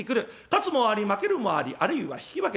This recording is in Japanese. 勝つもあり負けるもありあるいは引き分け勝負なし。